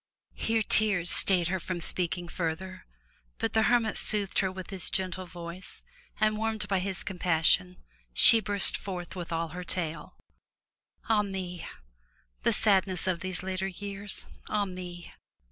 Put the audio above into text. Here tears stayed her from speaking further, but the hermit soothed her with his gentle voice and, warmed by his compassion, she burst forth with all her tale— "Ah me! the sadness of these later years. Ah me!